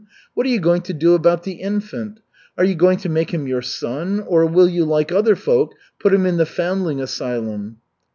"What are you going to do about the infant? Are you going to make him your son, or will you, like other folk, put him in the foundling asylum."